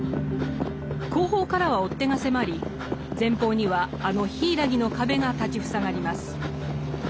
後方からは追っ手が迫り前方にはあの柊の壁が立ち塞がります。